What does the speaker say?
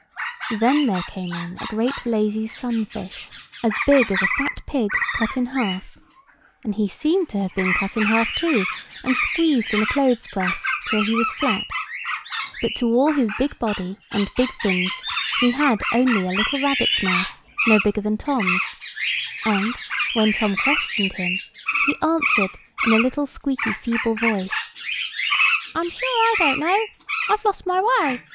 Then there came in a great lazy sunfish, as big as a fat pig cut in half; and he seemed to have been cut in half too, and squeezed in a clothes press till he was flat; but to all his big body and big fins he had only a little rabbit's mouth, no bigger than Tom's; and, when Tom questioned him, he answered in a little squeaky feeble voice: "I'm sure I don't know; I've lost my way.